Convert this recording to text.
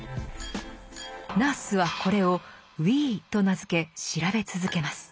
ナースはこれを「Ｗｅｅ」と名付け調べ続けます。